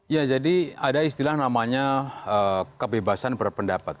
ya jadi ada istilah namanya kebebasan berpendapat